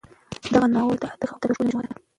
دغه ناول د تاریخ او ادب یوه ښکلې مجموعه ده.